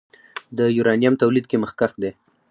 د یورانیم تولید کې مخکښ دی.